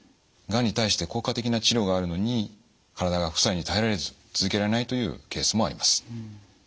がんに対して効果的な治療があるのに体が副作用に耐えられず続けられないというケースもあります。